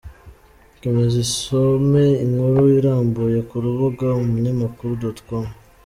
Komeza usome inkuru irambuye ku rubuga umunyamakuru.com